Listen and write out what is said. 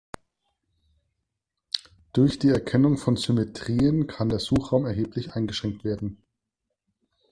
Durch die Erkennung von Symmetrien kann der Suchraum erheblich eingeschränkt werden.